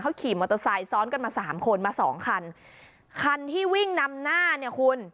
ขี่มอเตอร์ไซค์ซ้อนกันมาสามคนมาสองคันคันที่วิ่งนำหน้าเนี่ยคุณ